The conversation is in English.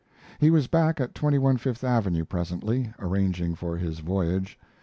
He was back at 21 Fifth Avenue presently, arranging for his voyage.